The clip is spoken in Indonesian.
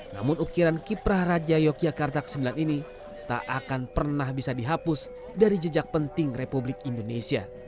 namun ukiran kiprah raja yogyakarta ke sembilan ini tak akan pernah bisa dihapus dari jejak penting republik indonesia